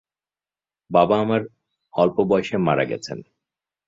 বাবা আমার অল্প বয়সে মারা গেছেন।